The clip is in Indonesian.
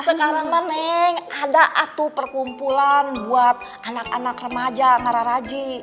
sekarang mah neng ada atuh perkumpulan buat anak anak remaja ngera raji